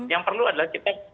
yang perlu adalah kita